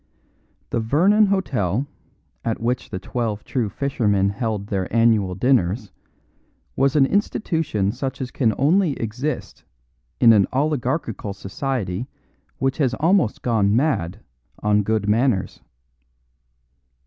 The Vernon Hotel at which The Twelve True Fishermen held their annual dinners was an institution such as can only exist in an oligarchical society which has almost gone mad on good manners.